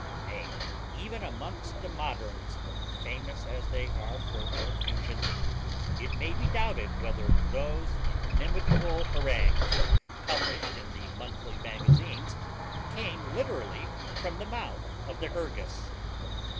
Nay, even amongst the moderns, famous as they are for elocution, it may be doubted whether those inimitable harangues published in the monthly magazines came literally from the mouths of the HURGOS, &c.